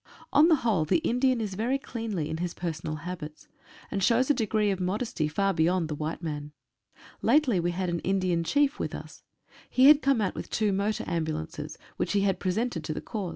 On the whole the Indian is very cleanly in his personal habits, and shows a degree of modesty far beyond the white man. Lately we had an Indian chief with us. He had come out with two motor ambulances, which he had presented to the corps.